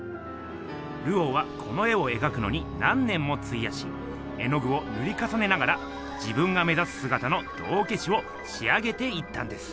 ルオーはこの絵をえがくのに何年もついやし絵のぐをぬりかさねながら自分が目ざすすがたの道けしをし上げていったんです。